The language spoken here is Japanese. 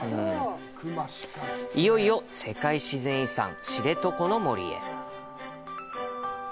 いよいよ世界自然遺産、知床の森へ。